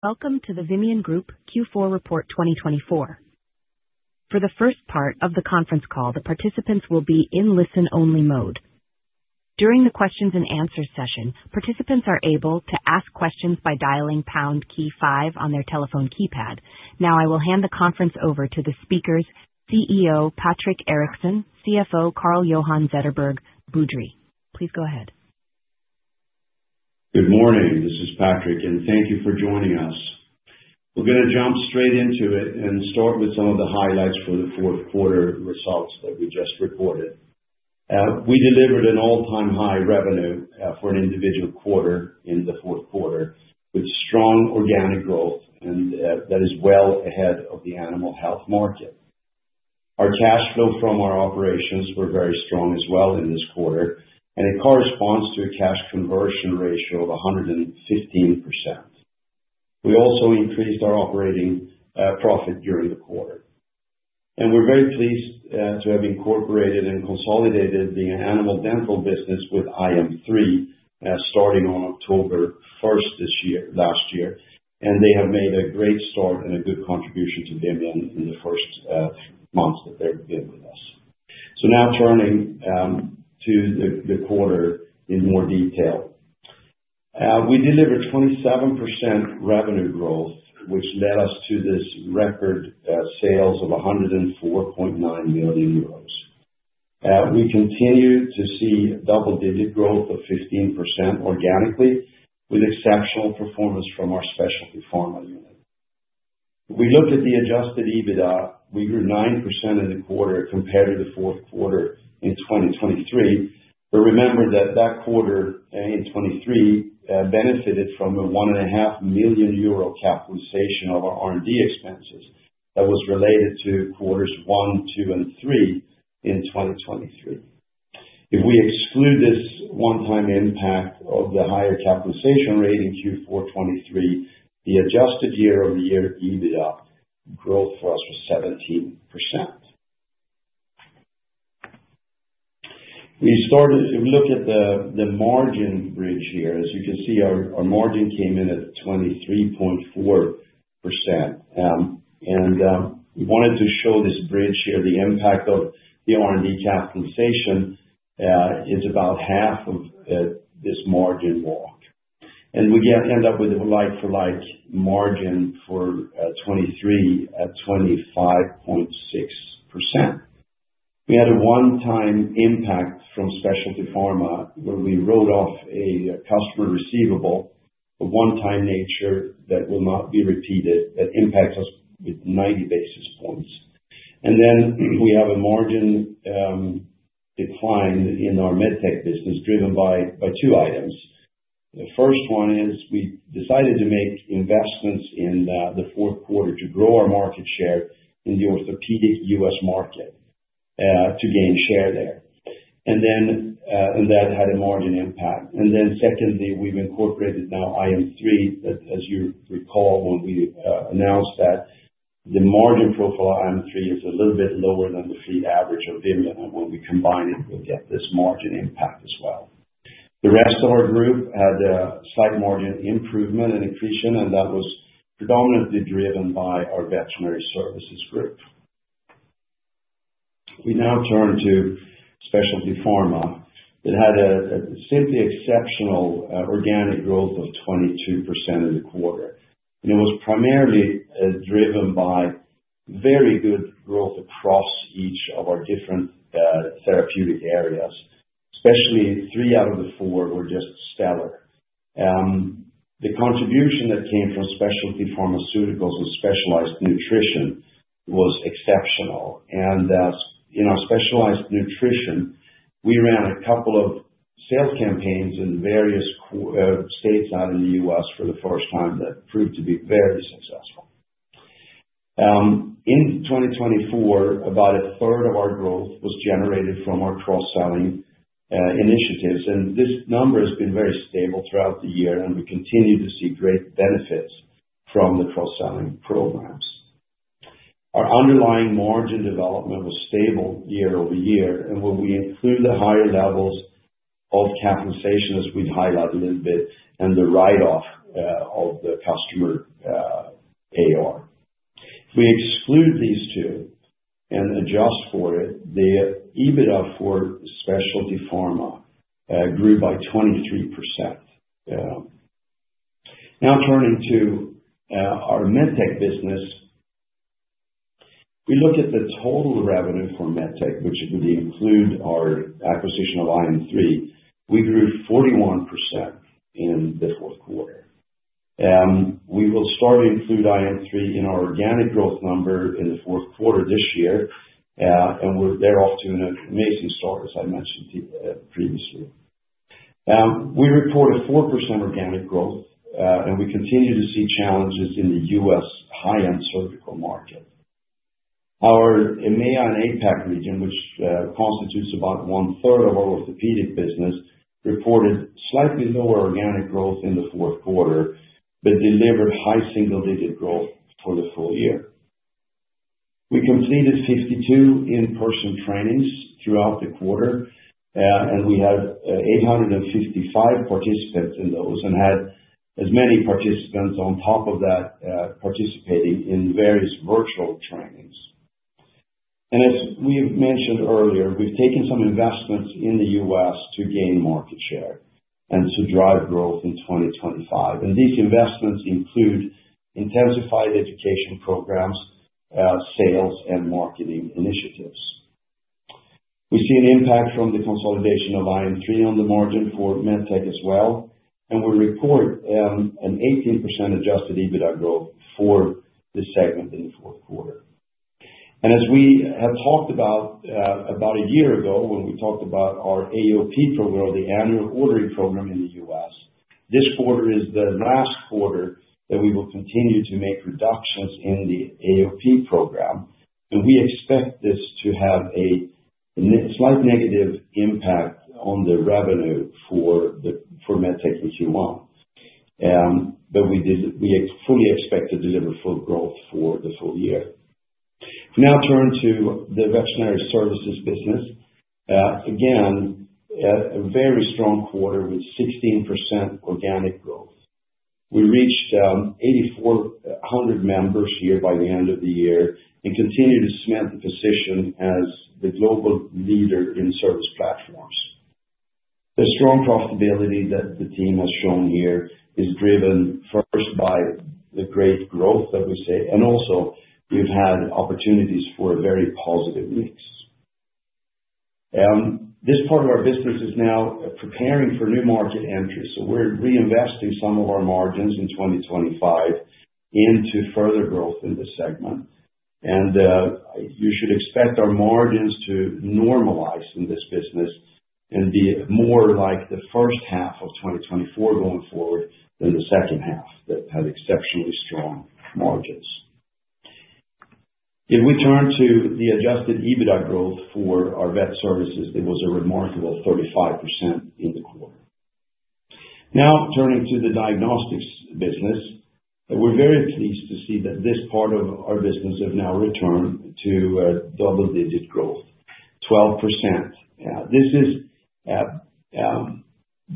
Welcome to the Vimian Group Q4 Report 2024. For the first part of the conference call, the participants will be in listen-only mode. During the questions and answers session, participants are able to ask questions by dialing pound key five on their telephone keypad. Now I will hand the conference over to the speakers, CEO Patrik Eriksson, CFO Carl-Johan Zetterberg Boudrie. Please go ahead. Good morning, this is Patrik and thank you for joining us. We're going to jump straight into it and start with some of the highlights for the fourth quarter results that we just reported. We delivered an all-time high revenue for an individual quarter in the fourth quarter with strong organic growth that is well ahead of the animal health market. Our cash flow from our operations were very strong as well in this quarter and it corresponds to a cash conversion ratio of 115%. We also increased our operating profit during the quarter and we're very pleased to have incorporated and consolidated the animal dental business with iM3 starting on October 1st this year, last year and they have made a great start and a good contribution to Vimian in the first months that they're in. So now turning to the quarter in more detail. We delivered 27% revenue growth which led us to this record sales of 104.9 million euros. We continue to see double digit growth of 15% organically with exceptional performance from our Specialty Pharma unit. We look at the adjusted EBITDA. We grew 9% in the quarter compared to the fourth quarter in 2023. But remember that that quarter in 2023 benefited from a 1.5 million euro capitalization of our R&D expenses that was related to quarters one, two and three in 2023. If we exclude this one-time impact of the higher capitalization rate in Q4 2023 the adjusted year-over-year EBITDA growth for us was 17%. We start to look at the margin bridge here. As you can see, our margin came in at 23.4%, and we wanted to show this bridge here. The impact of the R&D capitalization is about half of this margin walk, and we end up with a like-for-like margin for 2023 at 25.6%. We had a one-time impact from Specialty Pharma where we wrote off a customer receivable of a one-time nature that will not be repeated that impacts us with 90 basis points. And then we have a margin. Decline in our MedTech business driven by two items. The first one is we decided to make investments in the fourth quarter to grow our market share in the orthopedic U.S. market to gain share there, and then that had a margin impact, and then secondly we've incorporated now iM3 as you recall when we announced that the margin profile iM3 is a little bit lower than the fleet average of Vimian and when we combine it, we'll get this margin impact as well. The rest of our group had slight margin improvement in accretion, and that was predominantly driven by our Veterinary Services group. We now turn to Specialty Pharma that had a simply exceptional organic growth of 22% in the quarter. It was primarily driven by very good growth across each of our different therapeutic areas. Especially three out of the four were just stellar. The contribution that came from Specialty Pharmaceuticals and Specialized Nutrition was exceptional, and in our Specialized Nutrition we ran a couple of sales campaigns in various states out in the U.S. for the first time that proved to be very successful. In 2024, about a third of our growth was generated from our cross-selling initiatives and this number has been very stable throughout the year and we continue to see great benefits from the cross-selling programs. Our underlying margin development was stable year-over-year, and when we include the higher levels of capitalization as we highlight a little bit and the write-off of the customer. If we exclude these two and adjust for it, the EBITDA for Specialty Pharma grew by 23%. Now turning to our MedTech business. We look at the total revenue for MedTech which include our acquisition of iM3. We grew 41% in the fourth quarter. We will start to include iM3 in our organic growth number in the fourth quarter this year, and we're off to an amazing start. As I mentioned previously, we reported 4% organic growth and we continue to see challenges in the U.S. high-end surgical market. Our EMEA and APAC region, which constitutes about one-third of our orthopedic business, reported slightly lower organic growth in the fourth quarter, but delivered high single digit growth for the full year. We completed 52 in-person trainings throughout the quarter and we had 855 participants in those and had as many participants on top of that participating in various virtual trainings. As we mentioned earlier, we've taken some investments in the U.S. to gain market share and to drive growth in 2025 and these investments include intensified education programs, sales and marketing initiatives. We see an impact from the consolidation of iM3 on the margin for MedTech as well and we report an 18% Adjusted EBITDA growth for this segment in the fourth quarter. As we had talked about a year ago when we talked about our AOP program, the annual ordering program in the year. This quarter is the last quarter that we will continue to make reductions in the AOP program and we expect this to have a slight negative impact on the revenue for MedTech in Q1. We fully expect to deliver full growth for the full year. Now turn to the Veterinary Services business. Again, a very strong quarter with 16% organic growth. We reached 8,400 members here by the end of the year and continue to cement the position as the global leader in service platforms. The strong profitability that the team has shown here is driven first by the great growth that we see and also we've had opportunities for a very positive mix. This part of our business is now preparing for new market entries. So we're reinvesting some of our margins in 2025 into further growth in this segment and you should expect our margins to normalize in this business and be more like the first half of 2024 going forward than the second half that had exceptionally strong margins. If we turn to the adjusted EBITDA growthfor our Vet Services, it was a remarkable 35% in the quarter. Now turning to the Diagnostics business, we're very pleased to see that this part of our business have now returned to double-digit growth, 12%. This is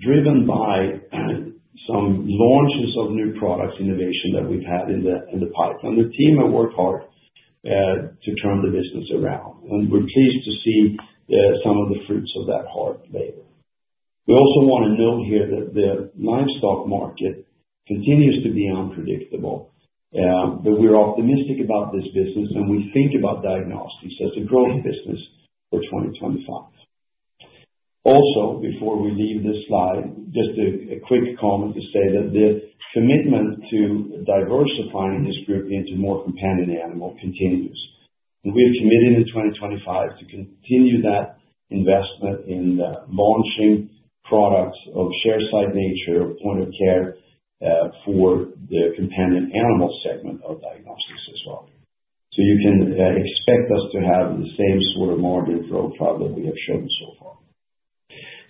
driven by some launches of new products innovation that we've had in the pipeline. The team have worked hard to turn the business around and we're pleased to see some of the fruits of that hard labor. We also want to note here that the livestock market continues to be unpredictable, but we're optimistic about this business and we think about Diagnostics as a growth business for 2025 also. Before we leave this slide, just a quick comment to say that the commitment to diversifying this group into more companion animal continues and we are committed in 2025 to continue that investment in launching products of this size and nature, Point of Care for the companion animal segment of Diagnostics as well. So you can expect us to have the same sort of margin profile that we have shown so far.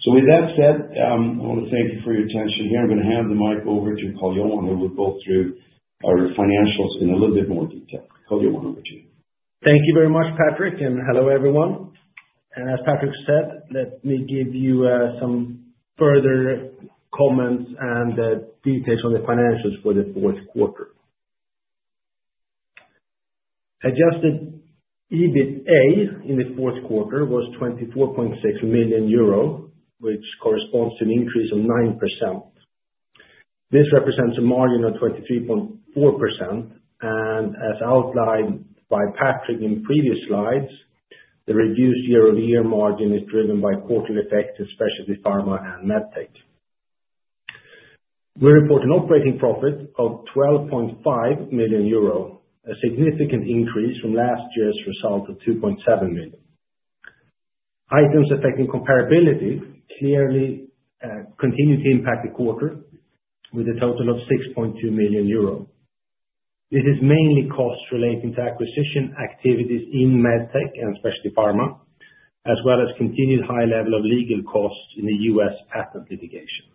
With that said, I want to thank you for your attention here. I'm going to hand the mic over to Carl-Johan who will go through our financials in a little bit more detail. Thank you very much, Patrik, and hello everyone, and as Patrik said, let me give you some further comments and details on the financials for the fourth quarter. Adjusted EBITA in the fourth quarter was 24.6 million euro, which corresponds to an increase of 9%. This represents a margin of 23.4% and as outlined by Patrik in previous slides, the reduced year-over-year margin is driven by quarterly effects in Specialty Pharma and MedTech. We report an operating profit of 12.5 million euro, a significant increase from last year's result of 2.7 million. Items affecting comparability clearly continue to impact the quarter with a total of 6.2 million euro. This is mainly costs relating to acquisition activities in MedTech and Specialty Pharma as well as continued high level of legal costs in the U.S. patent litigation.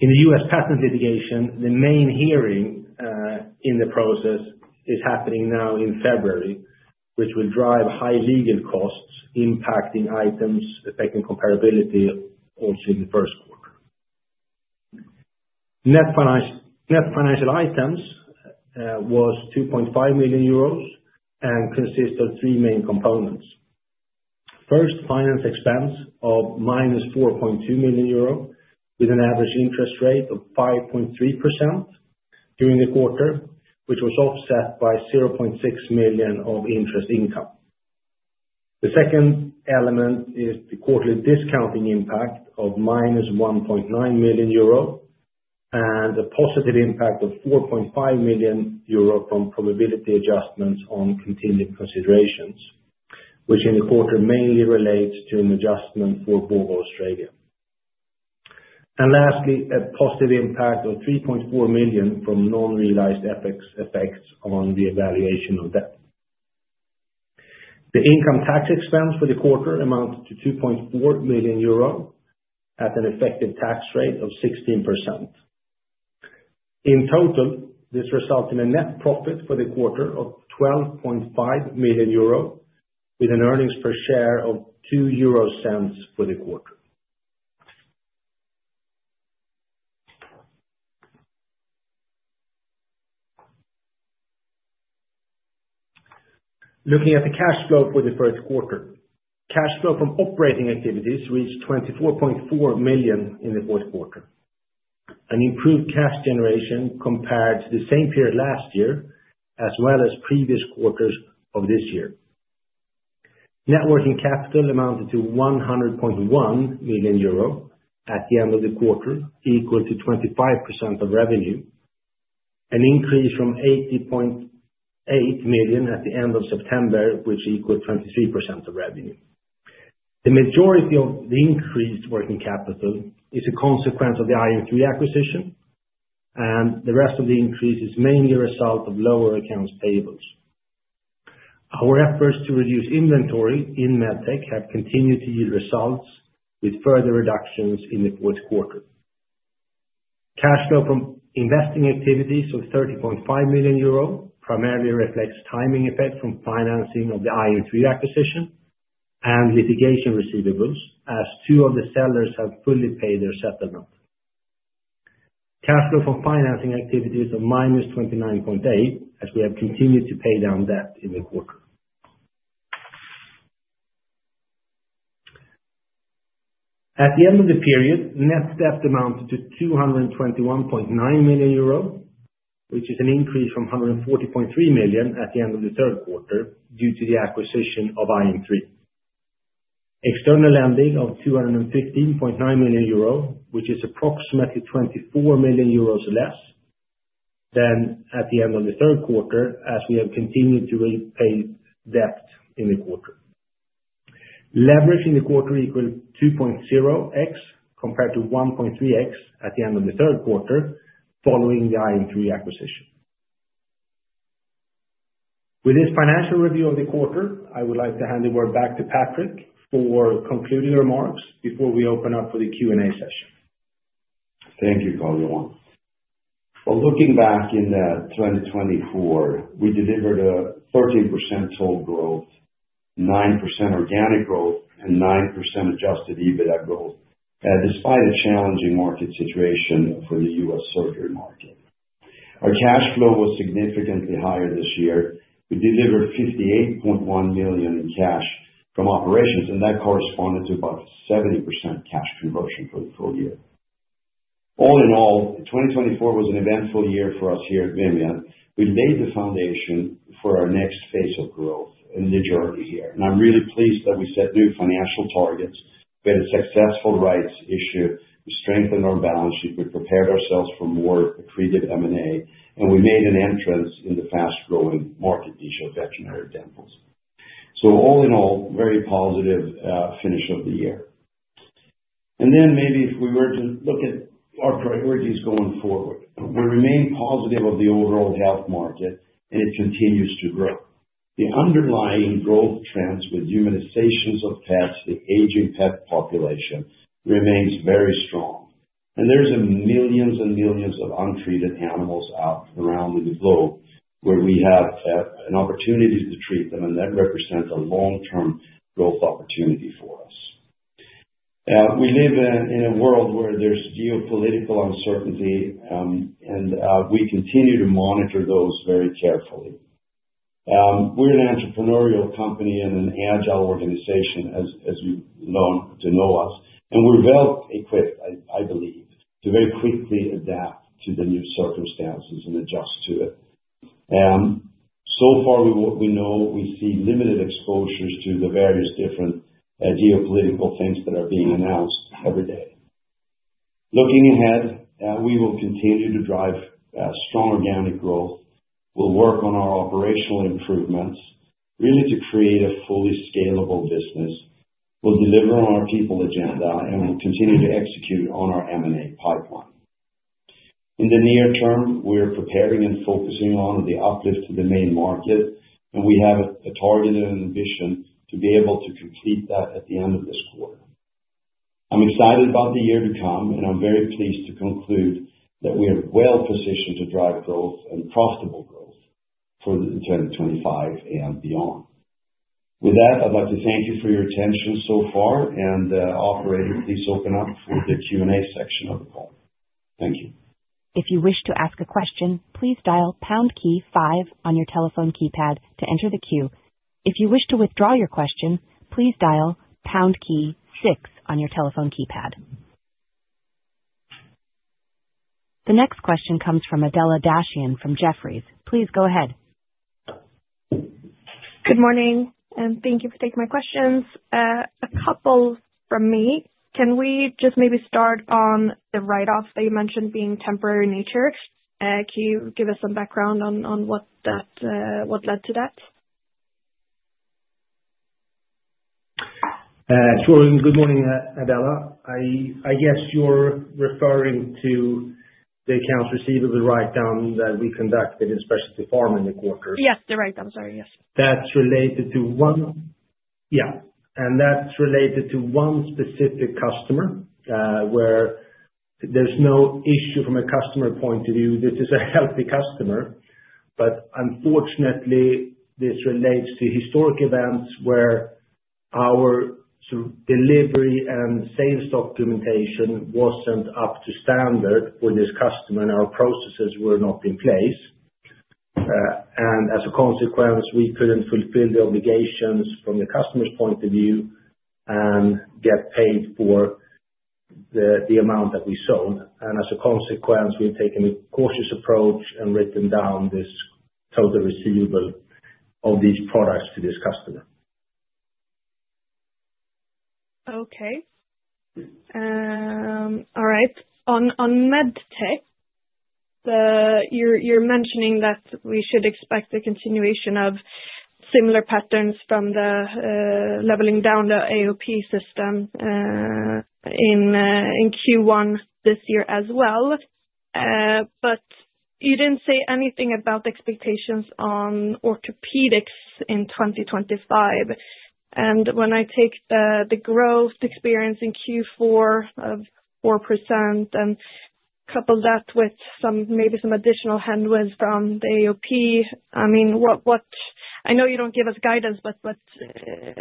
In the U.S. patent litigation, the main hearing in the process is happening now in February which will drive high legal costs impacting items affecting comparability also in the first quarter. Net financial items was 2.5 million euros and consists of three main components. First, finance expense of -4.2 million euro with an average interest rate of 5.3% during the quarter which was offset by 0.6 million of interest income. The second element is the quarterly discounting impact of -1.9 million euro and a positive impact of 4.5 million euro from probability adjustments on contingent considerations which in the quarter mainly relates to an adjustment for Bova Australia. Lastly, a positive impact of 3.4 million from non-realized FX effects on the valuation of debt. The income tax expense for the quarter amounted to 2.4 million euro at an effective tax rate of 16%. In total, this resulted in a net profit for the quarter of 12.5 million euro with an earnings per share of 0.02 for the quarter. Looking at the cash flow for the first quarter, cash flow from operating activities reached 24.4 million in the fourth quarter, an improved cash generation compared to the same period last year as well as previous quarters of this year. Net working capital amounted to 100.1 million euro at the end of the quarter, equal to 25% of revenue, an increase from 80.8 million at the end of September which equaled 23% of revenue. The majority of the increased working capital is a consequence of the iM3 acquisition and the rest of the increase is mainly a result of lower accounts payables. Our efforts to reduce inventory in MedTech have continued to yield results with further reductions in the fourth quarter. Cash flow from investing activities of 30.5 million euro primarily reflects timing effect from financing of the iM3 acquisition and litigation receivables as two of the sellers have fully paid their settlement. Cash flow from financing activities of -29.8 million as we have continued to pay down debt in the quarter. At the end of the period, net debt amounted to 221.9 million euro, which is an increase from 140.3 million at the end of the third quarter due to the acquisition of iM3. External lending of 215.9 million euro, which is approximately 24 million euros less than at the end of the third quarter. As we have continued to repay debt in the quarter, leverage in the quarter equaled 2.0x compared to 1.3x at the end of the third quarter following the iM3 acquisition. With this financial review of the quarter, I would like to hand the word back to Patrik for concluding remarks before we open up for the Q&A. Thank you, Carl-Johan. Well, looking back in 2024 we delivered a 13% total growth, 9% organic growth and 9% adjusted EBITDA growth. Despite a challenging market situation for the U.S. surgery market, our cash flow was significantly higher this year. We delivered 58.1 million in cash from operations and that corresponded to about 70% cash conversion for the full year. All in all, 2024 was an eventful year for us here at Vimian. We laid the foundation for our next phase of growth in the journey here and I'm really pleased that we set new financial targets, we had a successful rights issue, we strengthened our balance sheet, we prepared ourselves for more accretive M&A and we made an entrance in the fast growing market niche of veterinary dentals. So, all in all, very positive finish of the year, and then maybe if we were to look at our priorities going forward, we remain positive of the overall health market, and it continues to grow. The underlying growth trends with humanizations of pets. The aging pet population remains very strong, and there's millions and millions of untreated animals out around the globe where we have an opportunity to treat them, and that represents a long-term growth opportunity for us. We live in a world where there's geopolitical uncertainty, and we continue to monitor those very carefully. We're an entrepreneurial company and an agile organization, as you know us, and we're well equipped, I believe, to very quickly adapt to the new circumstances and adjust to it. So far we know we see limited exposures to the various different geopolitical things that are being announced every day. Looking ahead, we will continue to drive strong organic growth. We'll work on our operational improvements really to create a fully scalable business. We'll deliver on our people agenda and we'll continue to execute on our M&A pipeline. In the near term, we are preparing and focusing on the uplift to the main market and we have a target and ambition to be able to complete that at the end of this quarter. I'm excited about the year to come and I'm very pleased to conclude that we are well positioned to drive growth and profitable growth for 2025 and beyond. With that, I'd like to thank you for your attention so far and operator, please open up for the Q&A section of the call. Thank you. If you wish to ask a question, please dial pound key five on your telephone keypad to enter the queue. If you wish to withdraw your question, please dial pound key six on your telephone keypad. The next question comes from Adela Dashian from Jefferies. Please go ahead. Good morning, and thank you for taking my questions. A couple from me. Can we just maybe start on the write-off that you mentioned being temporary in nature? Can you give us some background on what led to that? Sure and good morning, Adela. I guess you're referring to the accounts receivable write down that we conducted in Specialty Pharma in the quarter? Yes. You're right. I'm sorry. Yes. That's related to one. Yeah. And that's related to one specific customer, where there's no issue from a customer point of view. This is a healthy customer, but unfortunately this relates to historic events where our delivery and sales documentation wasn't up to standard for this customer and our processes were not in place. And as a consequence, we couldn't fulfill the obligations from the customer's point of view and get paid for the amount that we sold. And as a consequence, we've taken a cautious approach and written down this total receivable of these products to this customer. Okay. All right. On MedTech. You're mentioning that we should expect a continuation of similar patterns from the leveling down the AOP system in Q1 this year as well. But you didn't say anything about expectations on orthopedics in 2025. And when I take the growth experience in Q4 of 4% and couple that with some, maybe some additional headwinds from the AOP. I mean, what? I know you don't give us guidance, but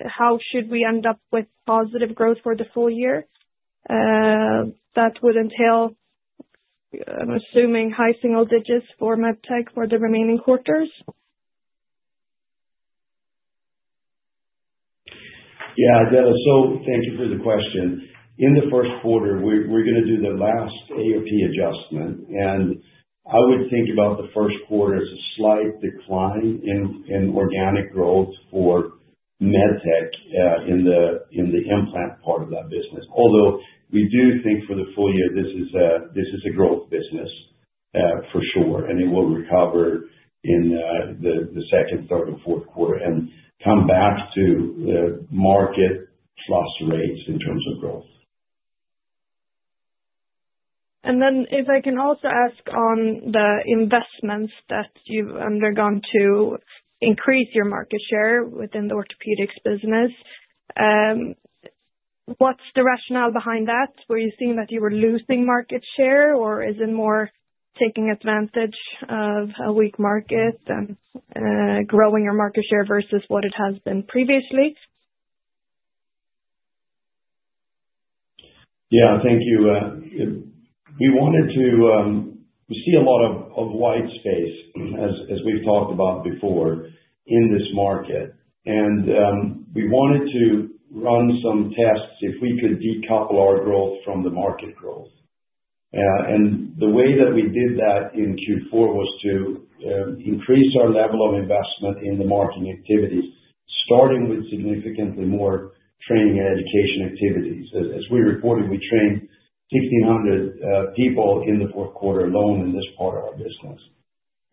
how should we end up with positive growth for the full year? That would entail, I'm assuming, high single digits for MedTech for the remaining quarters? Yeah. So thank you for the question. In the first quarter, we're going to do the last AOP adjustment, and I would think about the first quarter as a slight decline in organic growth for MedTech in the implant part of that business. Although we do think for the full year. This is a growth business for sure, and it will recover in the second, third and fourth quarter and come back to market plus rates in terms of growth. And then, if I can also ask, on the investments that you've undergone to increase your market share within the orthopedics business? What's the rationale behind that? Were you seeing that you were losing market share, or is it more taking advantage of a weak market and growing your market share versus what it has been previously? Yes. Thank you. We wanted to see a lot of white space, as we've talked about before in this market. And we wanted to run some tests if we could decouple our growth from the market growth. And the way that we did that in Q4 was to increase our level of investment in the marketing activities, starting with significantly more training and education activities. As we reported, we trained 1,600 people in the fourth quarter alone in this part of our business.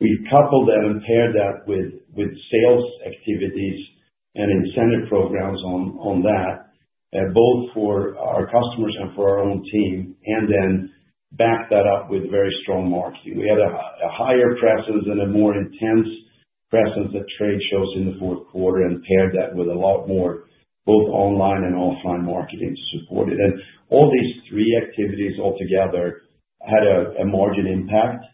We coupled that and paired that with sales activities and incentive programs on that, both for our customers and for our own team, and then backed that up with very strong marketing. We had a higher presence and a more intense presence at trade shows in the fourth quarter and paired that with a lot more both online and offline marketing to support it. All these three activities altogether had a margin impact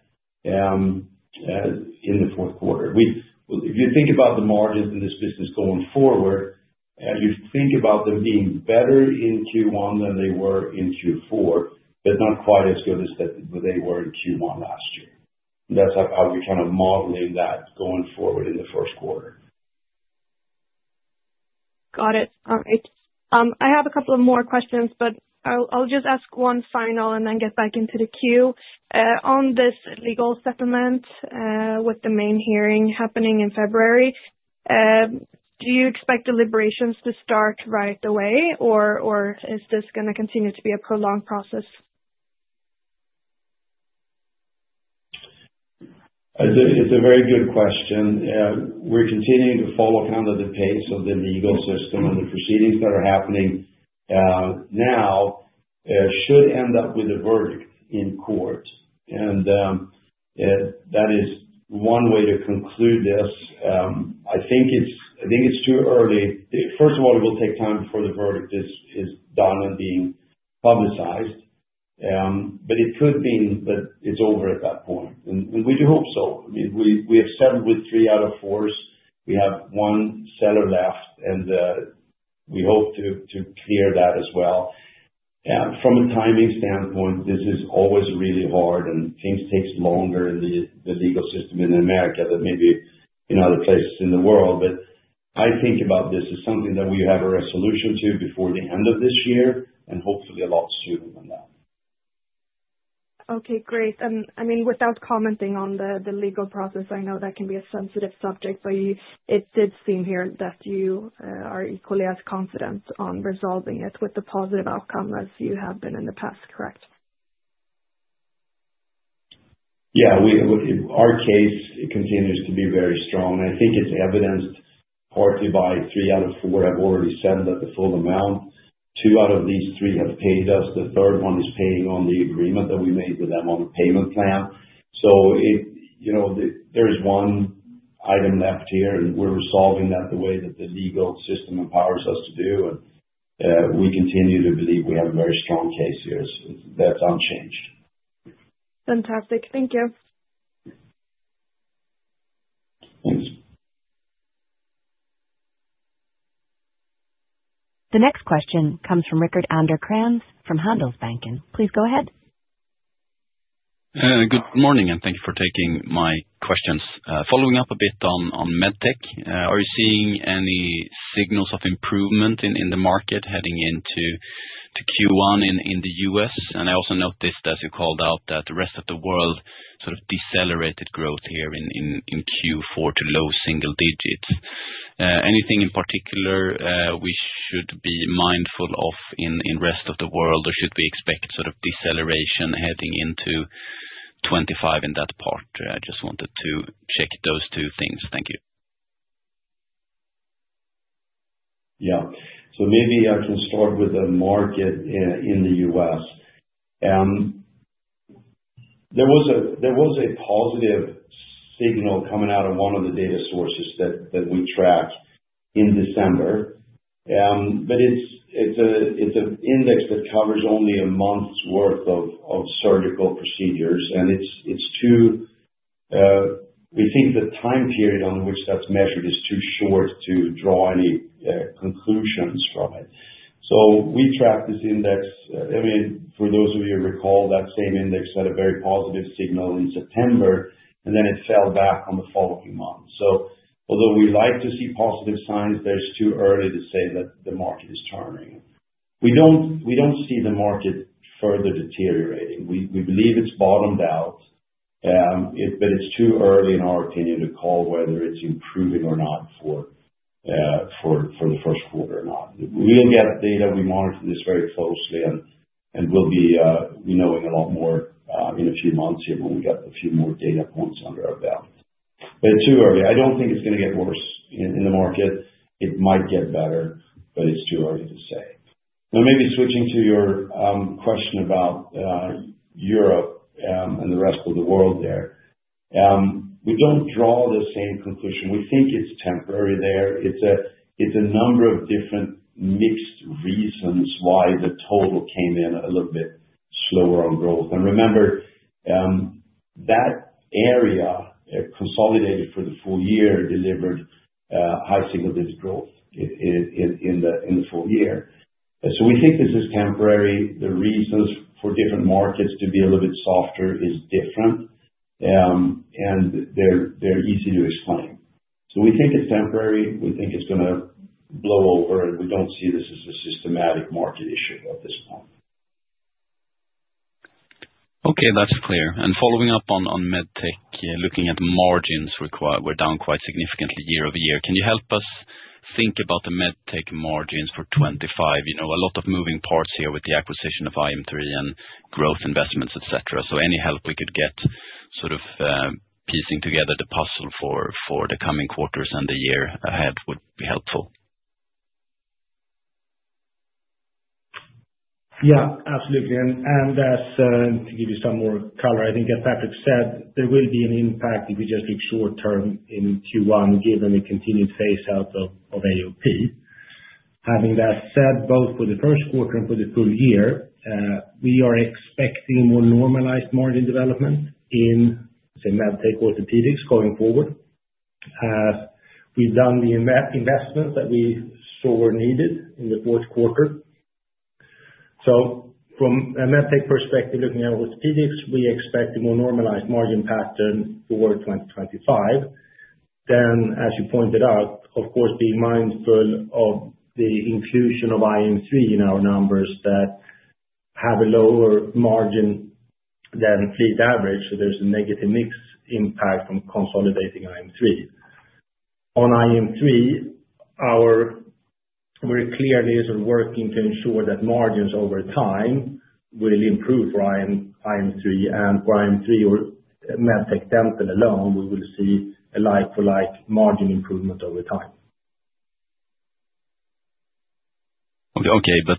in the fourth quarter. If you think about the margins in this business going forward, you think about them being better in Q1 than they were in Q4, but not quite as good as they were in Q1 last year. That's how we're kind of modeling that going forward in the first quarter. Got it. All right, I have a couple of more questions, but I'll just ask one final and then get back into the queue on this legal settlement. With the main hearing happening in February, do you expect deliberations to start right away or is this going to continue to be a prolonged process? It's a very good question. We're continuing to follow kind of the pace of the legal system and the proceedings that are happening now, should end up with a verdict in court, and that is one way to conclude this. I think it's too early. First of all, it will take time before the verdict is done and being publicized, but it could mean that it's over at that point, and we do hope so. We have settled with three out of four. We have one seller left, and we hope to clear that as well. From a timing standpoint, this is always really hard and things take longer in the legal system in America than maybe in other places in the world. But I think about this as something that we have a resolution to before the end of this year and hopefully a lot sooner than that. Okay, great. And I mean, without commenting on the legal process, I know that can be a sensitive subject, but it did seems here that you are equally as confident on resolving it with the positive outcome as you have been in the past correct? Yeah. Our case continues to be very strong. I think it's evidenced partly by three out of four have already settled at the full amount. Two out of these three have paid us. The third one is paying on the agreement that we made with them on a payment plan. So there is one item left here, and we're resolving that the way that the legal system empowers us to do. And we continue to believe we have a very strong case here that's unchanged. Fantastic. Thank you. Thanks. The next question comes from Rickard Anderkrans from Handelsbanken. Please go ahead. Good morning, and thank you for taking my questions. Following up a bit on MedTech, are you seeing any signals of improvement in the market heading into Q1 in the U.S., and I also noticed, as you called out, that the rest of the world sort of decelerated growth here in Q4 to low single digits? Anything in particular we should be mindful of in rest of the world, or should we expect sort of deceleration heading into 2025 in that part? I just wanted to check those two things. Thank you. Yeah. So maybe I can start with the market in the U.S. There was a positive signal coming out of one of the data sources that we tracked in December, but it's an index that covers only a month's worth of surgical procedures, and it's too. We think the time period on which that's measured is too short to draw any conclusions from it. So we track this index. I mean, for those of you who recall, that same index had a very positive signal in September and then it fell back on the following month. So although we like to see positive signs, it's too early to say that the market is turning. We don't see the market further deteriorating. We believe it's bottomed out, but it's too early in our opinion to call whether it's improving or not. For the first quarter or not. We'll get data. We monitor this very closely, and we'll be knowing a lot more in a few months here when we got a few more data points under our belt, but it's too early. I don't think it's going to get worse in the market, it might get better, but it's too early to say. Now maybe switching to your question about Europe and the rest of the world, there we don't draw the same conclusion. We think it's temporary there. It's a number of different mixed reasons why the total came in a little bit slower on growth, and remember that area consolidated for the full year delivered high single digit growth in the full year, so we think this is temporary. The reasons for different markets to be a little bit softer is different. They're easy to explain. We think it's temporary, we think it's going to blow over and we don't see this as a systematic market issue at this point. Okay, that's clear. And following up on MedTech, looking at margins, we're down quite significantly year-over-year. Can you help us think about the MedTech margins for 2025? You know a lot of moving parts here with the acquisition of iM3 and growth investments, etc. So any help we could get sort of piecing together the puzzle for the coming quarters and the year ahead would be helpful. Yes, absolutely, and just to give you some more color. I think as Patrik said there will be an impact if we just look short term in Q1 given the continued phase out of AOP. Having that said, both for the first quarter and for the full year, we are expecting more normalized margin development in MedTech orthopedics going forward. We've done the investments that we, so were needed in the fourth quarter. From a MedTech perspective looking at orthopedics we expect a more normalized margin pattern for 2025. Then as you pointed out of course being mindful of the infusion of iM3 in our numbers that have a lower margin than fleet average. So there's a negative mix impact from consolidating iM3 on iM3. We're clearly working to ensure that margins over time will improve for iM3 and for iM3 or MedTech dental alone we will see a like for like margin improvement over time. Okay, but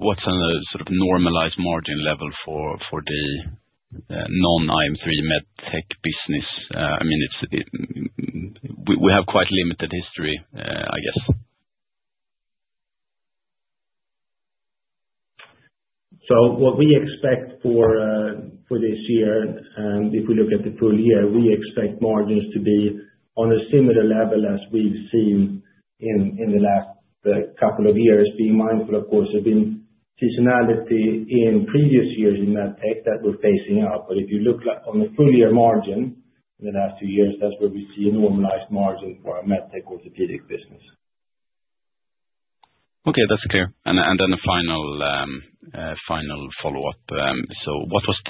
what's a sort of normalized margin level for the non iM3 MedTech business? I mean, we have quite limited history, I guess? So what we expect for this year and if we look at the full year we expect margins to be on a similar level as we've seen in the last couple of years. Being mindful, of course there have been seasonality in previous years in MedTech that were phasing out but if you look on the full year margin in the last few years, that's where we see a normalized margin for our MedTech orthopedic business. Okay, that's clear. And then a final follow-up. Could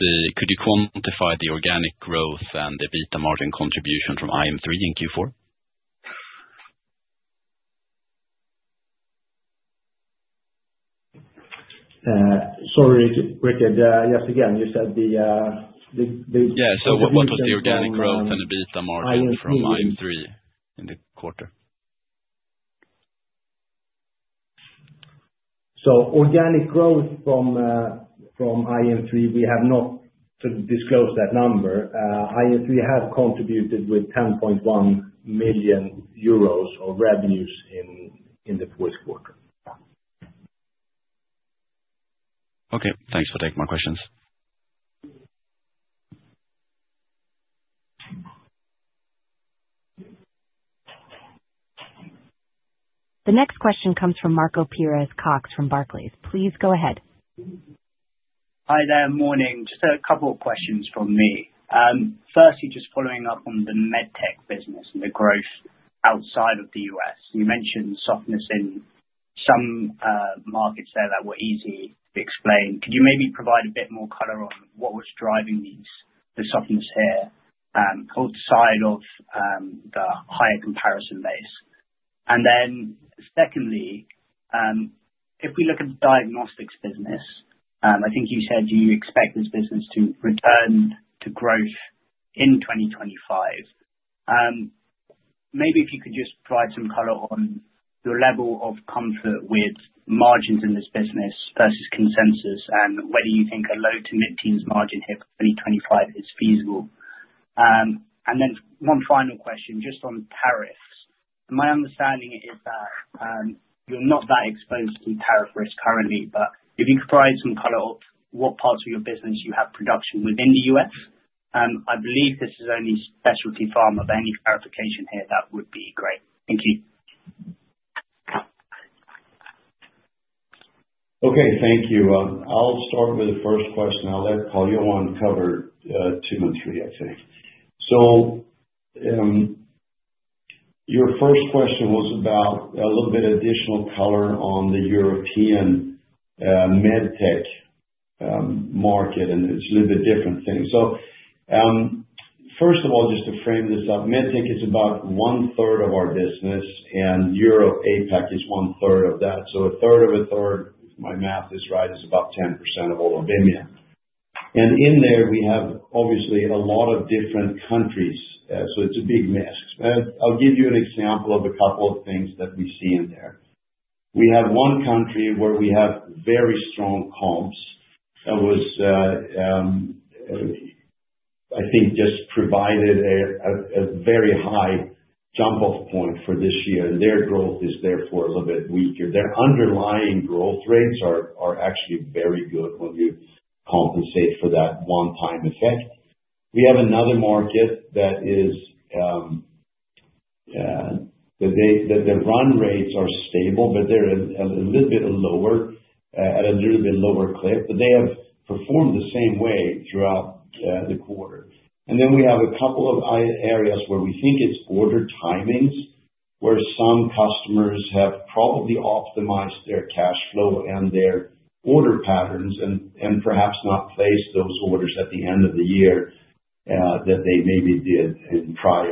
you quantify the organic growth and the EBITDA margin contribution from iM3 in Q4? Sorry, Rickard. Yes, again you said the- Yeah, so what was the organic growth and EBITDA margin from iM3 in the quarter? Organic growth from iM3? We have not disclosed that number. iM3 have contributed with 10.1 million euros of revenues in the fourth quarter. Okay, thanks for taking my questions. The next question comes from Marco Pires-Cox from Barclays. Please go ahead. Hi there, morning. Just a couple of questions from me. Firstly, just following up on the MedTech business and the growth outside of the U.S. you mentioned softness in some markets there that were easy to explain. Could you maybe provide a bit more color on what was driving the softness here outside of the higher comparison base? And then secondly, if we look at the Diagnostics business, I think you said, do you expect this business to return to growth in 2025? Maybe if you could just provide some color on your level of comfort with margins in this business versus consensus and whether you think a low to mid teens margin here for 2025 is feasible. And then one final question just on tariffs, my understanding is that you're not that exposed to tariff risk currently, but if you could provide some color of what parts of your business you have production within the U.S. I believe this is only Specialty Pharma of any verification here that would be great. Thank you. Okay, thank you. I'll start with the first question. I'll let Carl-Johan cover two and three I think. So, your first question was about a little bit additional color on the European MedTech market and it's a little bit different thing. So first of all, just to frame this up, MedTech is about 1/3 of our business and Europe APAC is 1/3 of that. So a third of a third, if my math is right, is about 10% of all of Vimian. And in there we have obviously a lot of different countries. So it's a big mix. I'll give you an example of a couple things that we see in there. We have one country where we have very strong comps that was, I think just provided a very high jump off point for this year. And their growth is therefore a little bit weaker. Their underlying growth rates are actually very good. When you compensate for that one time effect, we have another market that is the run rates are stable, but they're a little bit lower at a little bit lower clip, but they have performed the same way throughout the quarter, and then we have a couple of areas where we think it's order timings, where some customers have probably optimized their cash flow and their order patterns and perhaps not placed those orders at the end of the year that they maybe did. In prior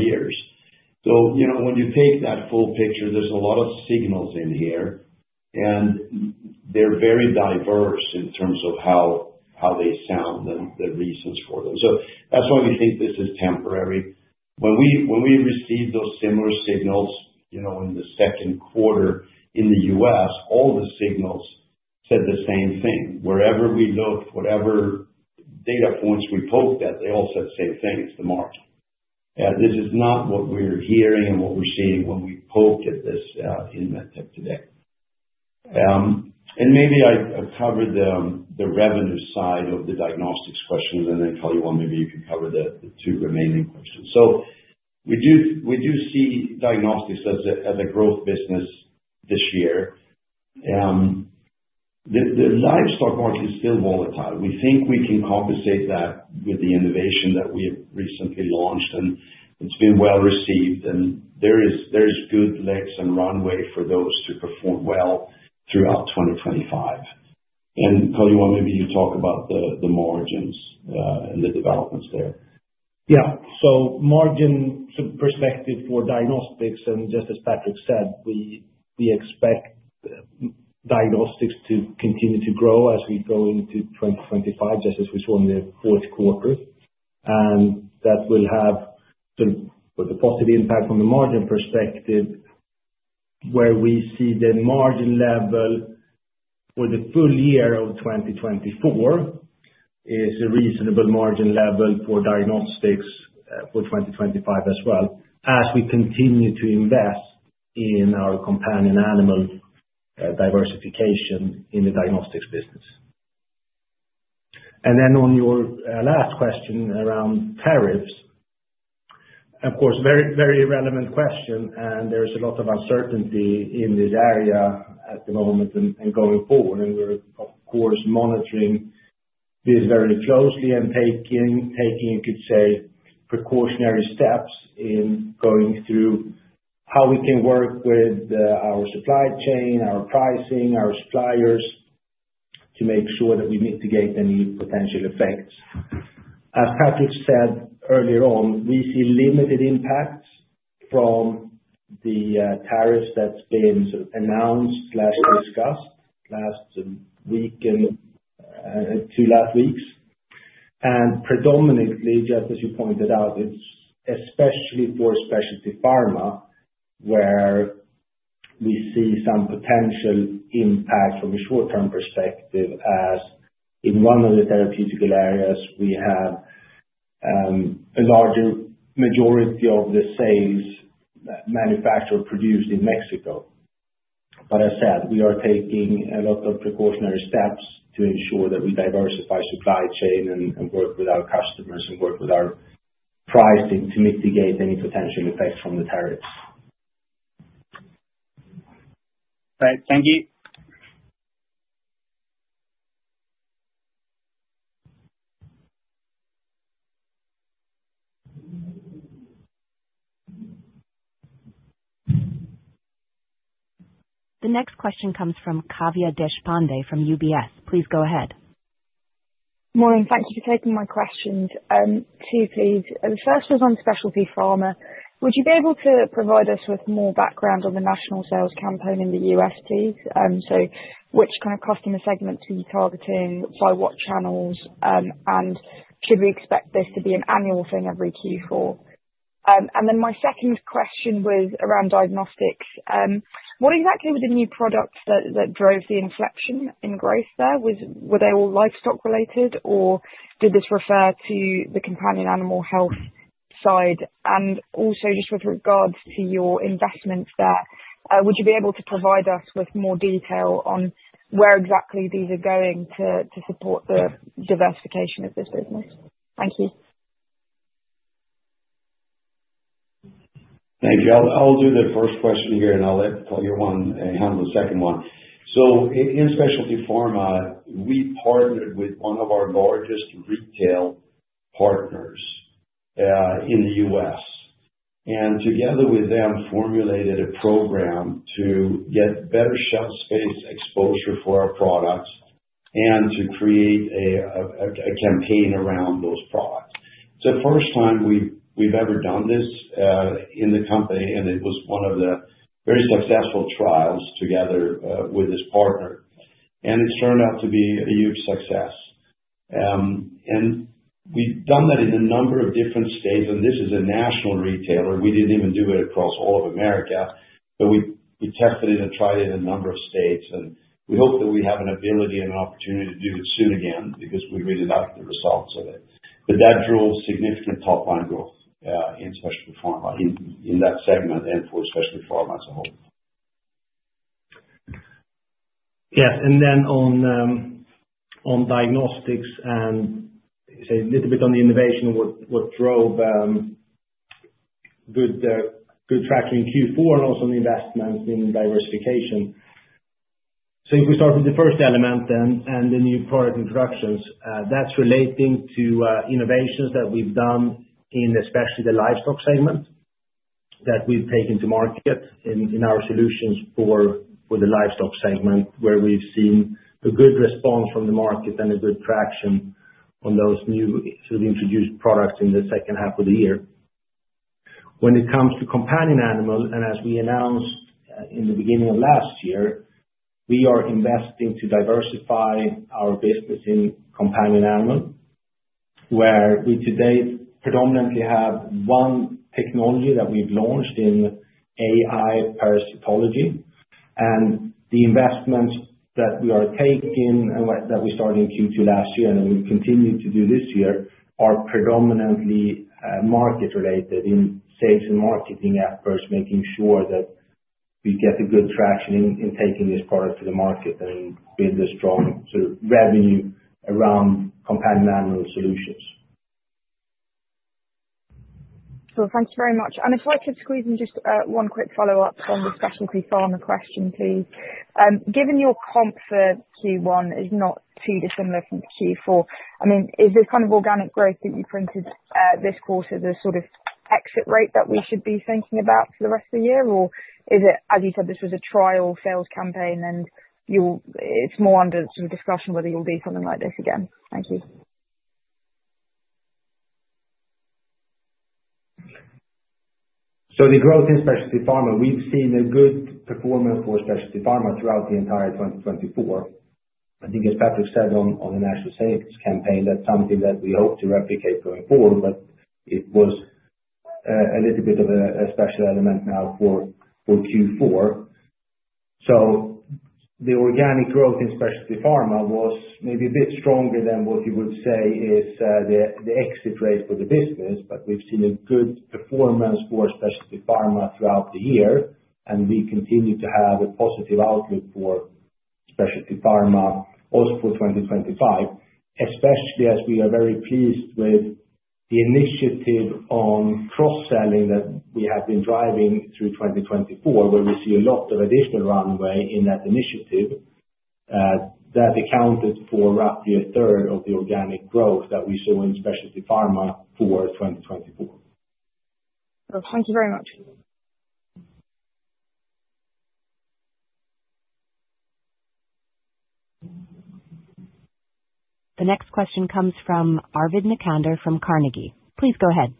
years. So, you know, when you take that full picture, there's a lot of signals in here and they're very diverse in terms of how they sound and the reasons for them. So that's why we think this is temporary when we receive those similar signals, you know, in the second quarter in the U.S. all the signals said the same thing. Wherever we look, whatever data points we poked at, they all said the same thing. It's the norm. This is not what we're hearing and what we're seeing when we poke at this in MedTech today. And maybe I covered the revenue side of the Diagnostics questions and then Carl-Johan, maybe you can cover the two remaining questions. So we do see Diagnostics as a growth business this year. The livestock market is still volatile. We think we can compensate that with the innovation that we have recently launched and it's been well received and there is good legs and runway for those to perform well throughout 2025. And Carl-Johan, maybe you talk about the margins and the developments there. Yeah. So margin perspective for Diagnostics. And just as Patrik said, we expect Diagnostics to continue to grow as we go into 2025, just as we saw in the fourth quarter. That will have a positive impact on the margin perspective where we see the margin level for the full year of 2024 is a reasonable margin level for Diagnostics for 2025 as well as we continue to invest in our companion animal, diversification in the Diagnostics business. On your last question around tariffs, of course, very, very relevant question. There is a lot of uncertainty in this area at the moment and going forward, we are of course monitoring this very closely and taking, you could say, precautionary steps in going through how we can work with our supply chain, our pricing, our suppliers to make sure that we mitigate any potential effects. As Patrik said earlier on, we see limited impacts from the tariffs that's been announced, discussed last week. Two last weeks and predominantly, just as you pointed out, it's especially for Specialty Pharma where we see some potential impact from a short term perspective, as in one of the therapeutical areas, we have a larger majority of the sales manufacturer produced in Mexico. As I said we are taking a lot of precautionary steps to ensure that we diversify supply chain and work with our customers and work with our pricing to mitigate any potential effects from the tariffs. Great, thank you. The next question comes from Kavya Deshpande from UBS. Please go ahead. Morning, thank you for taking my questions. Two, please. The first was on Specialty Pharma. Would you be able to provide us with more background on the national sales campaign in the U.S. please? Which kind of customer segments are you targeting, by what channels, and should we expect this to be an annual thing? Every Q4? My second question was around Diagnostics, what exactly were the new products that drove the inflection in growth there? Were they all livestock related or did this refer to the companion animal health side? Also, just with regards to your investments there, would you be able to provide us with more detail on where exactly these are going to support the diversification of this business? Thank you. Thank you. I'll do the first question here and I'll let Carl-Johan handle the second one. In Specialty Pharma, we partnered with one of our largest retail partners in the U.S. and together with them formulated a program to get better shelf space exposure for our products and to create a campaign around those products. It's the first time we've ever done this in the company and it was one of the very successful trials together with this partner and it turned out to be a huge success. We have done that in a number of different states and this is a national retailer. We did not even do it across all of America. We tested it and tried it in a number of states and we hope that we have an ability and an opportunity to do it soon again because we really like the results of it. That drove significant top line growth in Specialty Pharma in that segment and for Specialty Pharma as a whole. Yes. On Diagnostics, and say a little bit on the innovation, what drove good traction in Q4 and also investments in diversification. If we start with the first element and the new product introductions, that's relating to innovations that we've done in especially the livestock segment that we've taken to market in our solutions for the livestock segment, where we've seen a good response from the market and a good traction on those new introduced products in the second half of the year. When it comes to companion animal, and as we announced in the beginning of last year, we are investing to diversify our business in companion animal, where we today predominantly have one technology that we've launched in AI Parasitology and the investment that we are taking and that we started in Q2 last year and we continue to do this year are predominantly market related in sales and marketing efforts, making sure that we get a good traction in taking this product to the market and build a strong sort of revenue around companion animal solutions. Thank you very much. If I could squeeze in just one quick follow-up on the Specialty Pharma question, please. Given your comp for Q1 is not too dissimilar from Q4, I mean, is this kind of organic growth that you printed this quarter the sort of exit rate that we should be thinking about for the rest of the year? Or is it, as you said, this was a trial sales campaign and you, it's more under discussion whether you'll do something like this again. Thank you. The growth in Specialty Pharma, we've seen a good performance for Specialty Pharma throughout the entire 2024. I think, as Patrik said on the national sales campaign, that's something that we hope to replicate going forward. It was a little bit of a special element now for Q4. The organic growth in Specialty Pharma was maybe a bit stronger than what you would say is the exit rate for the business. We've seen a good performance for Specialty Pharma throughout the year and we continue to have a positive outlook for Specialty Pharma also for 2025, especially as we are very pleased with the initiative on cross selling that we have been driving through 2024 where we see a lot of additional runway in that initiative that accounted for roughly a third of the organic growth that we saw in Specialty Pharma for 2022. Thank you very much. The next question comes from Arvid Necander from Carnegie. Please go ahead.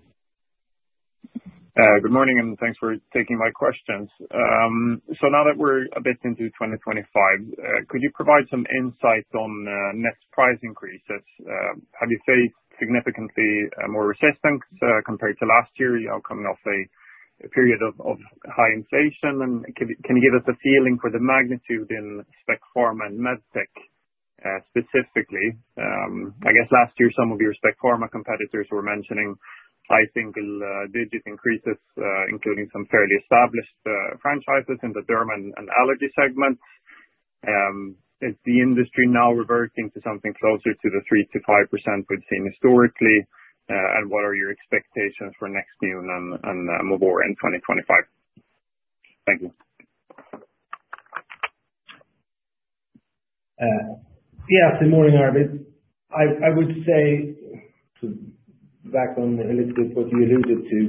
Good morning and thanks for taking my questions. Now that we're a bit into 2025, could you provide some insight on net price increases? Have you faced significantly more resistance compared to last year coming off a period of high inflation? Can you give us a feeling for the magnitude in spec pharma and MedTech specifically? I guess last year some of your spec pharma competitors were mentioning high single digit increases, including some fairly established franchises in the Derma and Allergy segments. Is the industry now reverting to something closer to the 3%-5% we've seen historically? What are your expectations for NextMune and Movora in 2025? Thank you. Yes, good morning, Arvid. I would say back on a little bit. What you alluded to,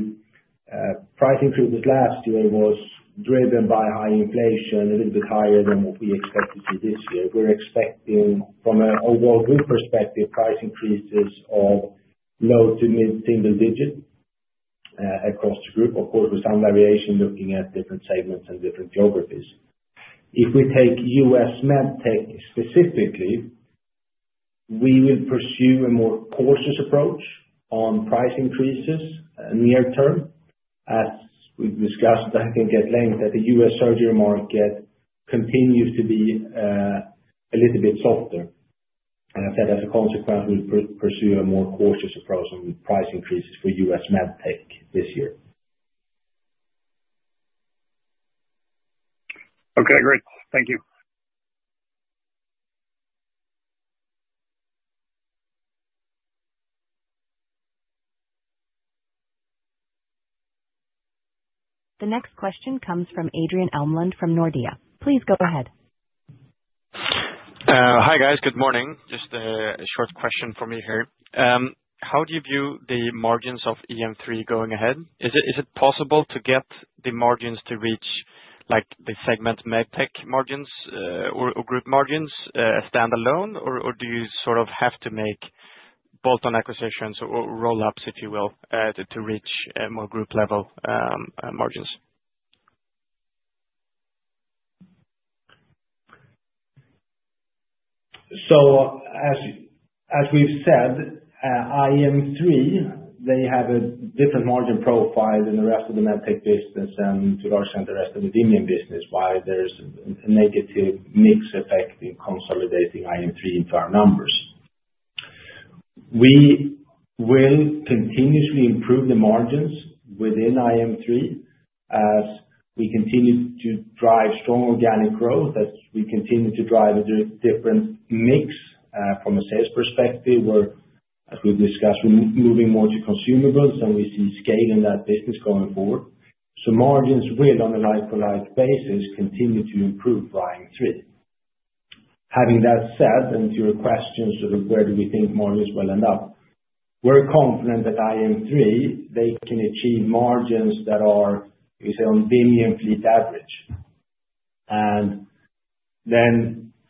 price increases last year was driven by high inflation. A little bit higher than what we expect to see this year. Expecting from an overall group perspective, price increases of low to mid single digit across the group. Of course, with some variation looking at different segments and different geographies. If we take US MedTech specifically, we will pursue a more cautious approach on price increases near term. As we discussed, I think at length, the US surgery market continues to be a little bit softer and I said as a consequence, we'll pursue a more cautious approach on price increases for U.S. med tech this year. Okay, great. Thank you. The next question comes from Adrian Elmlund from Nordea. Please go ahead. Hi guys. Good morning. Just a short question for me here. How do you view the margins of iM3 going ahead? Is it possible to get the margins to reach like the segment MedTech margins or group margins standalone? Or do you sort of have to make both on acquisitions or roll ups if you will to reach more group level margins? As we've said, iM3, they have a different margin profile than the rest of the MedTech business and to larger than the rest of the Vimian business while there's a negative mix effect in consolidating iM3 into our numbers. We will continuously improve the margins within iM3 as we continue to drive strong organic growth. As we continue to drive a different mix from a sales perspective where, as we discussed, moving more to consumables and we see scale in that business going forward. Margins will on a like-for-like basis continue to improve by iM3. Having that said, and to your question, sort of where do we think margins will end up? We're confident that iM3, they can achieve margins that are on Vimian fleet average.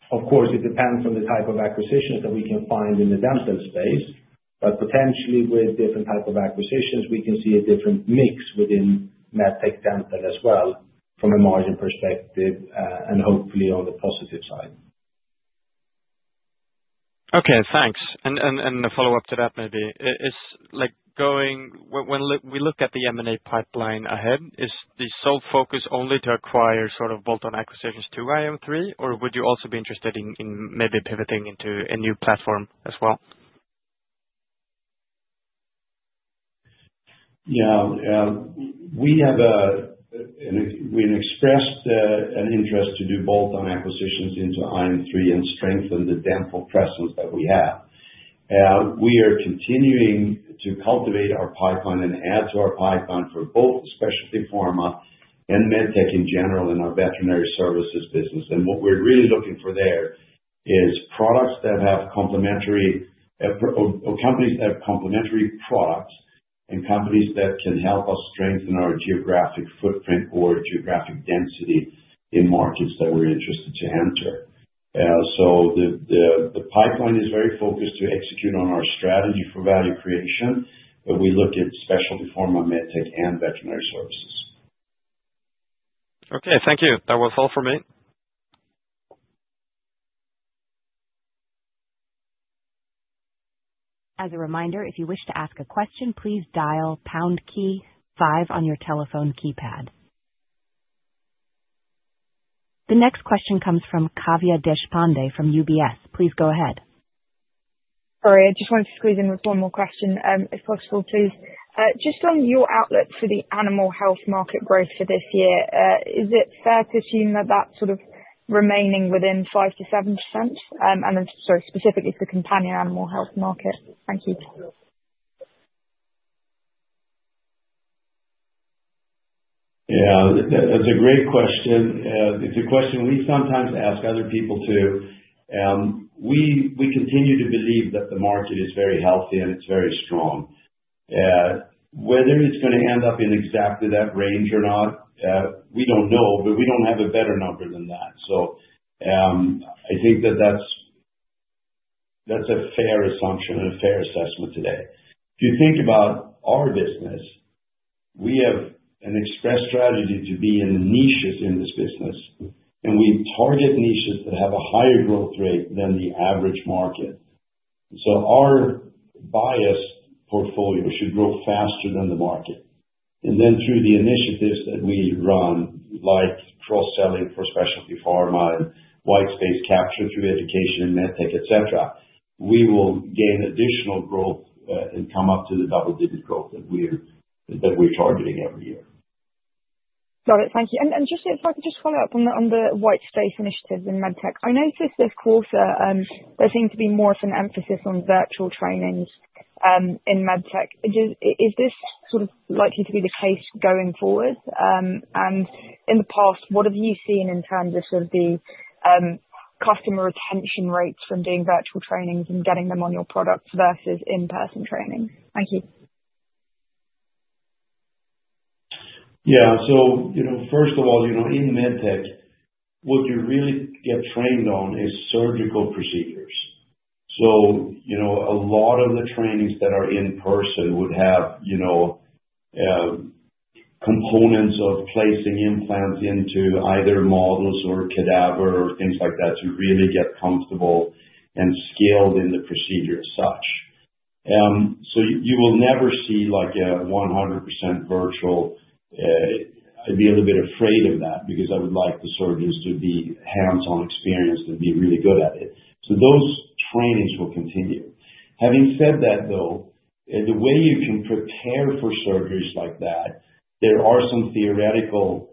Of course, it depends on the type of acquisitions that we can find in the dental space. Potentially, with different type of acquisitions, we can see a different mix within MedTech Dental as well from a margin perspective and hopefully on the positive side. Okay, thanks. A follow-up to that maybe is like going when we look at the M&A pipeline ahead, is the sole focus only to acquire? Sort of bolt on acquisitions to iM3 or would you also be interested in maybe pivoting into a new platform as well? Yes, we have expressed an interest to do bolt on acquisitions into iM3 and strengthen the dental presence that we have. We are continuing to cultivate our pipeline and add to our pipeline for both Specialty Pharma and MedTech in general in our Veterinary Services business and what we're really looking for there is products that have complementary companies that have complementary products and companies that can help us strengthen our geographic footprint or geographic density in markets that we're interested to enter. The pipeline is very focused to execute on our strategy for value creation. We look at Specialty Pharma, MedTech and Veterinary Services. Okay, thank you. That was all for me. As a reminder, if you wish to ask a question, please dial pound key five on your telephone keypad. The next question comes from Kavya Deshpande from UBS. Please go ahead. Sorry, I just wanted to squeeze in with one more question. If possible, please, just on your outlook for the animal health market growth for this year, is it fair to assume that that's sort of remaining within 5-7% and so specifically to the companion animal health market? Thank you. Yeah, that's a great question. It's a question we sometimes ask other people too. We continue to believe that the market is very healthy and it's very strong. Whether it's going to end up in exactly that range or not, we don't know. We don't have a better number than that, I think that's a fair assumption and a fair assessment today. If you think about our business, we have an express strategy to be in the niches in this business and we target niches that have a higher growth rate than the average market. So our biased portfolio should grow faster than the market. Then through the initiatives that we run, like cross selling for Specialty Pharma and white space capture through education, MedTech, et cetera, we will gain additional growth and come up to the double digit growth that we're targeting every. Year. Got it, thank you. If I could just follow-up on the white space initiatives in MedTech, I noticed this quarter there seemed to be more of an emphasis on virtual trainings in MedTech. Is this sort of likely to be the case going forward? In the past, what have you seen in terms of the customer retention rates from doing virtual trainings and getting them on your products versus in person training? Thank you. Yeah. You know, first of all, you know, in MedTech, what you really get trained on is surgical procedures. You know, a lot of the trainings that are in person would have, you know. Components of placing implants into either models or cadaver or things like that to really get comfortable and skilled in the procedure as such. You will never see like a 100% virtual. I'd be a little bit afraid of that because I would like the surgeons to be hands on, experienced and be really good at it. Those trainings will continue. Having said that, though, the way you can prepare for surgeries like that, there are some theoretical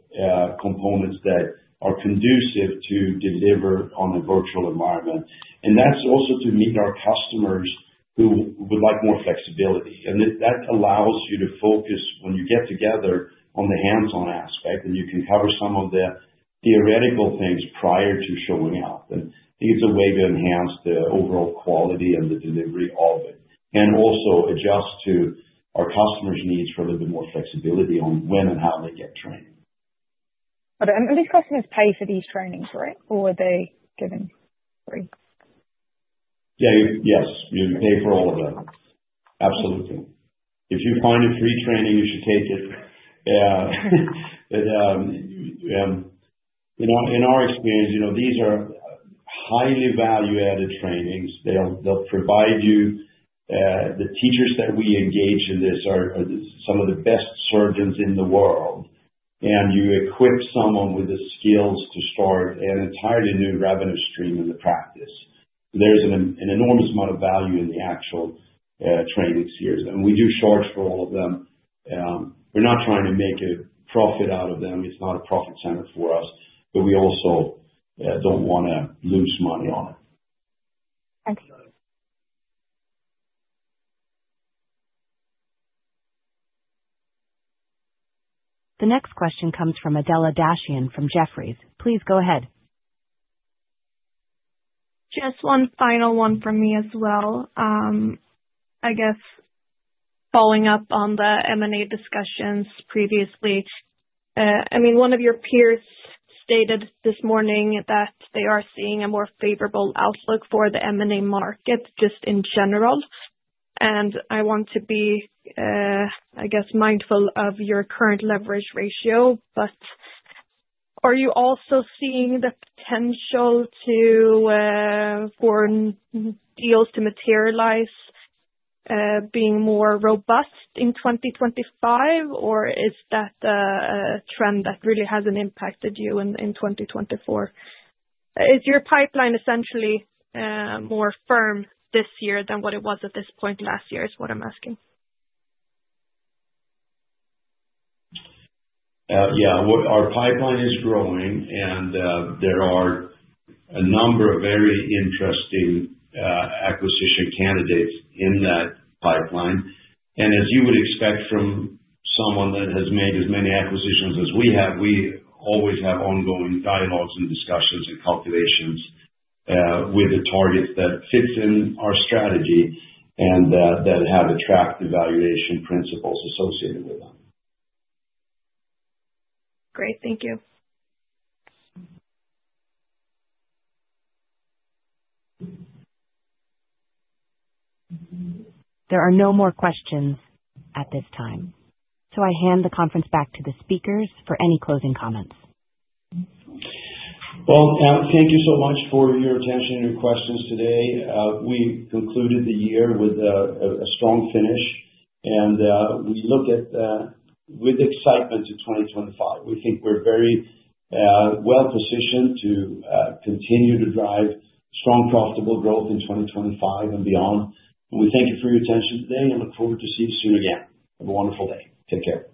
components that are conducive to deliver on a virtual environment and that's also to meet our customers who would like more flexibility. That allows you to focus when you get together on the hands on aspect and you can cover some of the theoretical things prior to showing up. I think it's a way to enhance the overall quality and the delivery of it and also adjust to our customers' needs for a little bit more flexibility on when and how they get trained. These customers pay for these trainings, right? Or are they given free? Yes, you pay for all of them? Absolutely. If you find a free training, you should take it. In our experience, these are highly value added trainings they'll provide you. The teachers that we engage in this are some of the best surgeons in the world and you equip someone with the skills to start an entirely new revenue stream in the practice. There's an enormous amount of value in the actual training series and we do charge for all of them. We're not trying to make a profit out of them. It's not a profit center for us. We also don't want to lose money on it. The next question comes from Adela Dashian from Jefferies. Please go ahead. Just one final one for me as well. I guess following up on the M&A discussions previously, I mean, one of your peers stated this morning that they are seeing a more favorable outlook M&A market just in general and I want to be, I guess, mindful of your current leverage ratio. Are you also seeing the potential to foreign deals to materialize being more robust in 2025, or is that a trend that really hasn't impacted you in 2024? Is your pipeline essentially more firm this year than what it was at this point last year is what I'm asking? Yeah, our pipeline is growing and there are a number of very interesting acquisition candidates in that pipeline. As you would expect from someone that has made as many acquisitions as we have, we always have ongoing dialogues and discussions and calculations with the targets that fits in our strategy and that have attractive valuation principles associated with them. Great, thank you. There are no more questions at this time, so I hand the conference back to the speakers for any closing comments. Thank you so much for your attention and your questions today. We concluded the year with a strong finish and we look at with excitement to 2025. We think we're very well positioned to continue to drive strong, profitable growth in 2025 and beyond. We thank you for your attention today and look forward to seeing you soon again. Have a wonderful day. Take care.